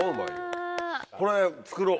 これ作ろう。